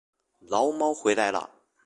牢猫回来了